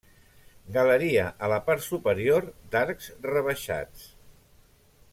Galeria a la part superior d'arcs rebaixats.